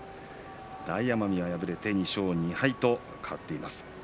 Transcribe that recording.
大奄美が敗れて２勝２敗と変わっています。